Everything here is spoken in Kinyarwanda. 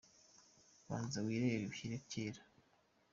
Banza wirere ushyire kera